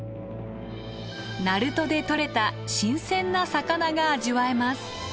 鳴門で取れた新鮮な魚が味わえます。